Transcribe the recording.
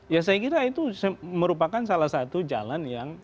ya saya kira itu merupakan salah satu jalan yang